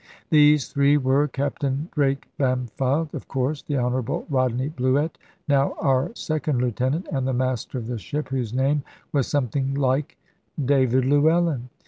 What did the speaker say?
These three were, Captain Drake Bampfylde, of course, the Honourable Rodney Bluett, now our second lieutenant, and the Master of the ship, whose name was something like "David Llewellyn."